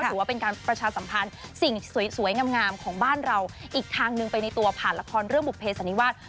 ถือว่าเป็นการประชาสัมพันธ์สิ่งสวยงามของบ้านเราอีกทางหนึ่งไปในตัวผ่านละครเรื่องบุภเพสันนิวาส